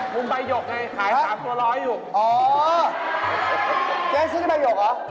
คุณใบหยกไงขายสามตัวร้อยอยู่อ๋อเจ๊ซื้อได้ใบหยกเหรอ